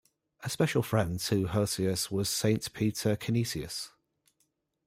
A special friend to Hosius was Saint Peter Canisius.